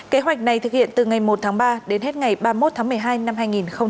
kế hoạch này thực hiện từ ngày một tháng ba đến hết ngày ba mươi một tháng một mươi hai năm hai nghìn hai mươi